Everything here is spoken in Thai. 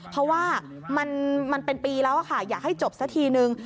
เพราะว่ามันเป็นปีแล้วค่ะอยากให้จบสักทีนึง